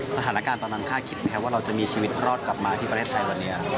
สถานการณ์ตอนนั้นคาดคิดไหมครับว่าเราจะมีชีวิตรอดกลับมาที่ประเทศไทยวันนี้